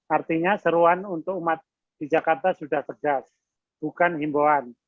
artinya seruan untuk umat di jakarta sudah tegas bukan himbauan